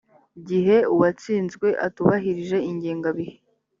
gihe uwatsinzwe atubahirije ingengabihe